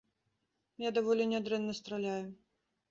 Я даволі нядрэнна страляю.